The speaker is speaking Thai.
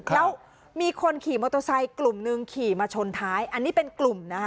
แล้วมีคนขี่มอเตอร์ไซค์กลุ่มหนึ่งขี่มาชนท้ายอันนี้เป็นกลุ่มนะคะ